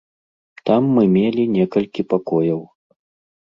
Там мы мелі некалькі пакояў.